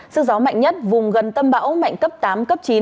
sức gió mạnh nhất vùng gần tâm bão mạnh cấp tám cấp chín